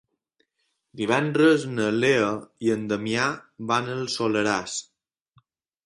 Divendres na Lea i en Damià van al Soleràs.